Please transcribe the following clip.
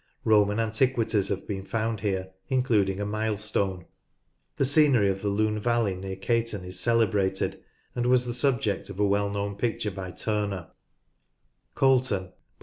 Roman antiquities have been found here, including a milestone. The scenerj of 166 NORTH LANCASHIRE the Lune valley near Caton is celebrated, and was the subject of a well known picture by Turner, (pp.